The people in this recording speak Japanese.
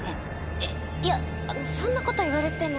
えっいやそんな事言われても。